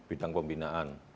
di bidang pembinaan